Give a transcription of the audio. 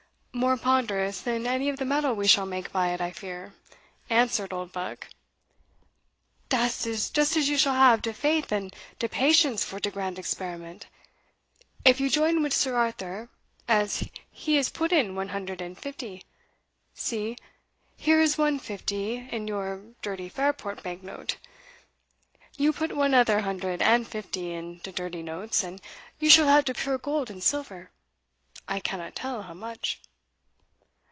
"More ponderous than any of the metal we shall make by it, I fear," answered Oldbuck. "Dat is just as you shall have de faith and de patience for de grand experiment If you join wid Sir Arthur, as he is put one hundred and fifty see, here is one fifty in your dirty Fairport bank note you put one other hundred and fifty in de dirty notes, and you shall have de pure gold and silver, I cannot tell how much."